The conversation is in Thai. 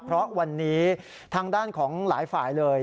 เพราะวันนี้ทางด้านของหลายฝ่ายเลย